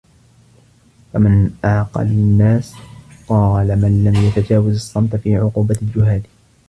فَمَنْ أَعْقَلُ النَّاسِ ؟ قَالَ مَنْ لَمْ يَتَجَاوَزْ الصَّمْتَ فِي عُقُوبَةِ الْجُهَّالِ